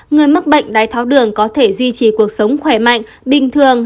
người mắc bệnh đái tháo đường có thể duy trì cuộc sống khỏe mạnh bình thường